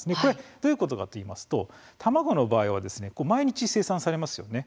どういうことかといいますと卵の場合は毎日、生産されますよね。